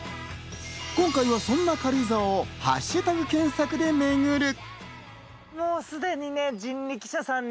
今回はそんな軽井沢をハッシュタグ検索で巡る。